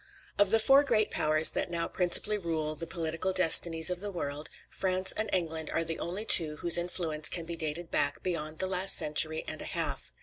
Of the four great powers that now principally rule the political destinies of the world, France and England are the only two whose influence can be dated back beyond the last century and a half.